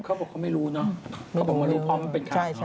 เขาบอกเขาไม่รู้เนอะเขาบอกว่ารู้พร้อมว่าเป็นใคร